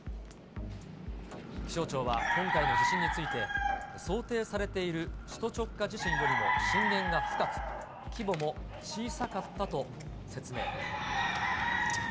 気象庁は今回の地震について、想定されている首都直下地震よりも震源が深く、規模も小さかったと説明。